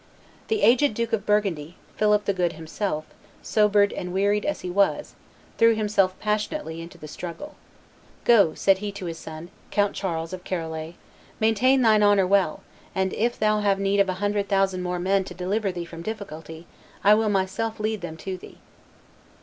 The aged Duke of Burgundy, Philip the Good himself, sobered and wearied as he was, threw himself passionately into the struggle. "Go," said he to his son, Count Charles of Charolais, "maintain thine honor well, and, if thou have need of a hundred thousand more men to deliver thee from difficulty, I myself will lead them to thee."